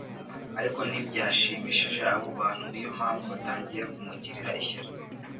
ariko ntibyashimishije abo bantu ni yo mpamvu batangiye kumugirira ishyari